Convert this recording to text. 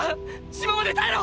島まで耐えろ！！